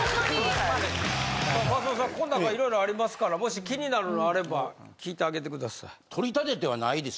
松本さんこん中いろいろありますからもし気になるのあれば聞いてあげてください。